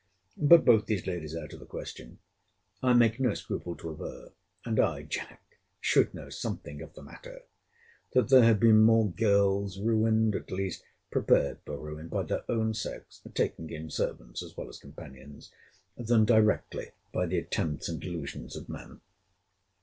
But, both these ladies out of the question, I make no scruple to aver, [and I, Jack, should know something of the matter,] that there have been more girls ruined, at least prepared for ruin, by their own sex, (taking in servants, as well as companions,) than directly by the attempts and delusions of men.